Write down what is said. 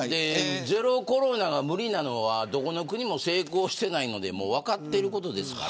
ゼロコロナが無理なのはどこの国も成功していないので分かっていることです。